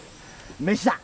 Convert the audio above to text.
飯だ！